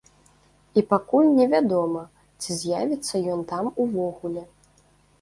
І пакуль невядома, ці з'явіцца ён там увогуле.